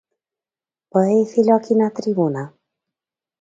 ¿Pode dicilo aquí na tribuna?